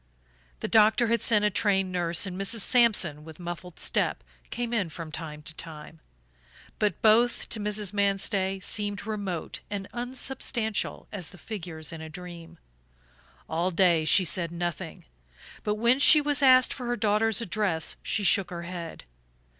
The doctor had sent a trained nurse, and Mrs. Sampson, with muffled step, came in from time to time; but both, to Mrs. Manstey, seemed remote and unsubstantial as the figures in a dream. All day she said nothing; but when she was asked for her daughter's address she shook her head.